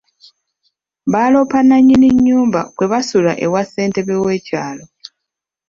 Baaloopa nnannyini nnyumba kwe basula ewa ssentebe w'ekyalo.